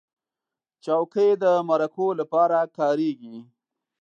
چوکۍ د مرکو لپاره کارېږي.